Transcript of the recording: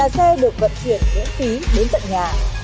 xe được vận chuyển miễn phí đến tận nhà